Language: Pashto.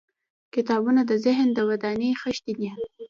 • کتابونه د ذهن د ودانۍ خښتې دي.